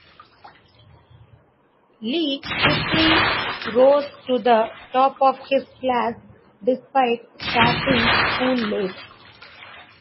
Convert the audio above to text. Li quickly rose to the top of his class despite starting school late.